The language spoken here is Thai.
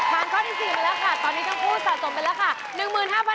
ข้อที่๔ไปแล้วค่ะตอนนี้ทั้งคู่สะสมไปแล้วค่ะ